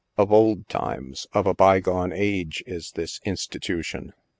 Of old times — of a bygone age — is this institution.